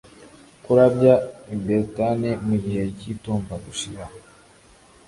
Kurabya i Beltane mu gihe cyitumba gushira